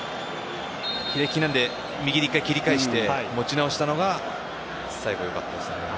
左利きなので右で１回切り返して持ち直したのが良かったですね。